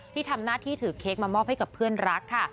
ที่ทำหน้าที่ถือเค้กมามอบให้กับเพื่อนรักค่ะ